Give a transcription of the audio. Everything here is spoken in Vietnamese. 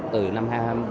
từ năm hai nghìn hai mươi